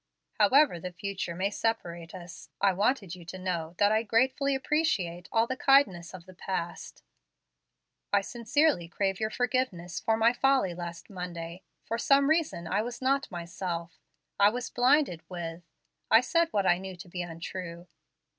"However the future may separate us, I wanted you to know that I gratefully appreciate all the kindness of the past. I sincerely crave your forgiveness for my folly last Monday. For some reason I was not myself. I was blinded with I said what I knew to be untrue.